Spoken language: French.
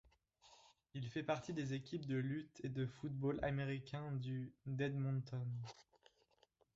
Il fait partie des équipes de lutte et de football américain du d'Edmonton.